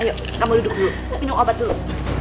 yuk kamu duduk dulu minum obat dulu